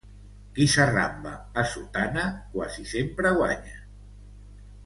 Qui s'arramba a sotana, quasi sempre guanya